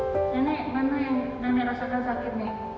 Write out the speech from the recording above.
nenek mana yang nenek rasakan sakit nih